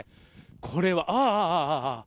これは、ああああ。